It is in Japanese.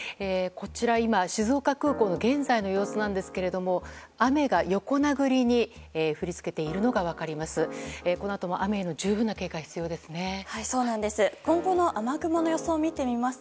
こちら、静岡空港の現在の様子なんですけど雨が横殴りに降りつけているのがわかります。